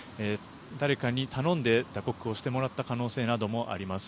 誰かに頼んで打刻をしてもらった可能性などもあります。